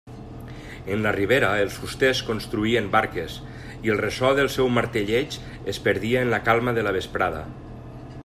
En la ribera els fusters construïen barques, i el ressò del seu martelleig es perdia en la calma de la vesprada.